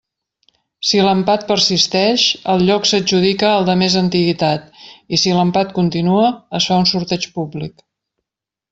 Si l'empat persisteix, el lloc s'adjudica al de més antiguitat i, si l'empat continua, es fa un sorteig públic.